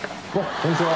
こんにちは。